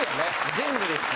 全部ですね。